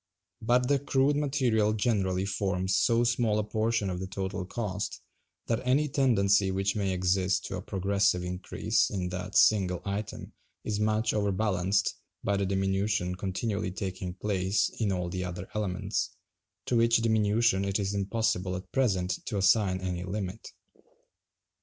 But the crude material generally forms so small a portion of the total cost that any tendency which may exist to a progressive increase in that single item is much overbalanced by the diminution continually taking place in all the other elements; to which diminution it is impossible at present to assign any limit.